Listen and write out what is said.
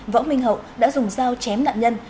võ minh hậu đã dùng dao chém nạn nhân